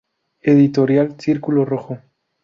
Editorial Círculo Rojo.